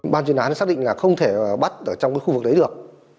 ban chuyên án xác định là không thể bắt ở trong cái khu vực đấy được